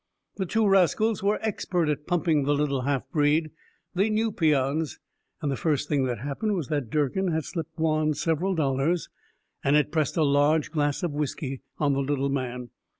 The two rascals were expert at pumping the little half breed. They knew peons, and the first thing that happened was that Durkin had slipped Juan several dollars and had pressed a large glass of whiskey on the little man.